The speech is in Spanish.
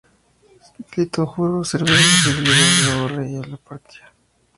Clito juró servir con fidelidad al nuevo rey y a su patria.